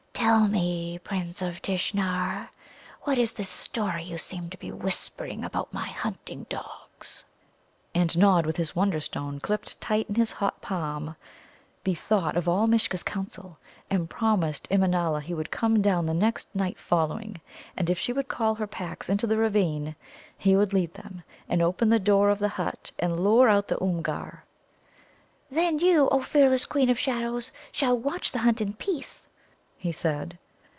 "Tell me, Prince of Tishnar, what is this story you seem to be whispering about my hunting dogs?" And Nod, with his Wonderstone clipped tight in his hot palm, bethought him of all Mishcha's counsel, and promised Immanâla he would come down the next night following. And if she would call her packs into the ravine, he would lead them, and open the door of the hut and lure out the Oomgar. "Then you, O fearless Queen of Shadows, shall watch the hunt in peace," he said.